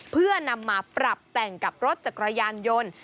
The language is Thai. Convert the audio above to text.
เพื่อนำมาปรับแต่งกับรถจักรยานยนต์